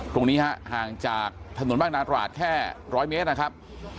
ตรงนี้ฮะห่างจากถนนบ้างนาตราดแค่๑๐๐เมตรนะครับ